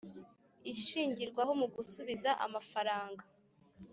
Ishingirwaho mu gusubiza amafaranga